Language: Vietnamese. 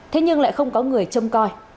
thế nhưng lại không có người trông coi